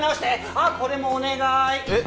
あっこれもお願いえっ！？